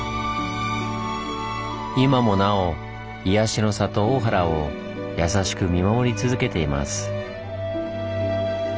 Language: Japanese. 今もなお「癒やしの里・大原」を優しく見守り続けています。